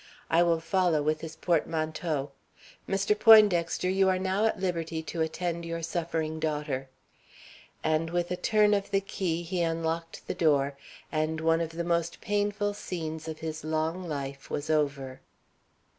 I will follow with his portmanteau. Mr. Poindexter, you are now at liberty to attend your suffering daughter." And with a turn of the key, he unlocked the door, and one of the most painful scenes of his long life was over.